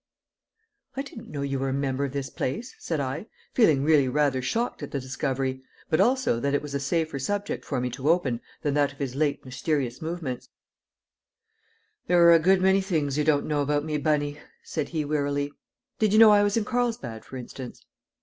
"I didn't know you were a member of this place," said I, feeling really rather shocked at the discovery, but also that it was a safer subject for me to open than that of his late mysterious movements. "There are a good many things you don't know about me, Bunny," said he wearily. "Did you know I was in Carlsbad, for instance?"